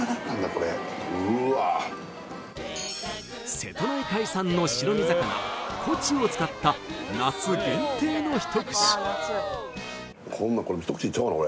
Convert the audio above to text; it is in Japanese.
これうわっ瀬戸内海産の白身魚コチを使った夏限定の一串一口でいっちゃおうかな